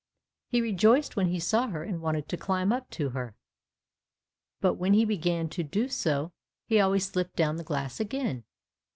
He rejoiced when he saw her and wanted to climb up to her, but when he began to do so he always slipped down the glass again.